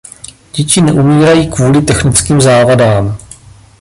Děti neumírají kvůli technickým závadám.